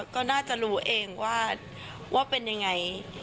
ก็น่าจะรู้เองว่าว่าเป็นอย่างไร